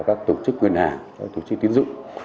các tổ chức ngân hàng các tổ chức tiến dụng